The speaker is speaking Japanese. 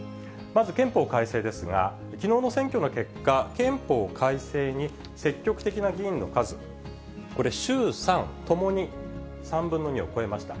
まず憲法改正ですが、きのうの選挙の結果、憲法改正に積極的な議員の数、これ衆参ともに３分の２を超えました。